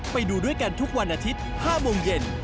ไปดูด้วยกันทุกวันอาทิตย์๕โมงเย็น